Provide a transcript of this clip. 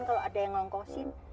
kalau ada yang ngongkosi